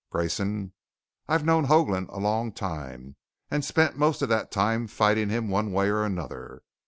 Grayson, I've known Hoagland a long time and spent most of that time fighting him one way or another.